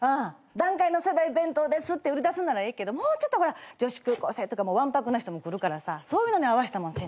団塊の世代弁当ですって売り出すんならええけどもうちょっと女子高校生とかも腕白な人も来るからさそういうのに合わせたものに。